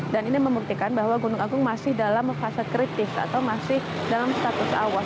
dan ini memuktikan bahwa gunung agung masih dalam fase kritis atau masih dalam status awas